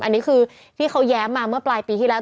อันนี้คือที่เขาแย้มมาเมื่อปลายปีที่แล้ว